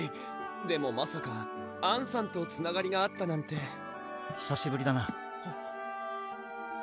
でもまさかあんさんとつながりがあったなんて・ひさしぶりだな・